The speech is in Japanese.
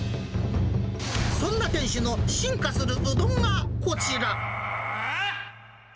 そんな店主の進化するうどんがこちら。